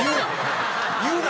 言うな！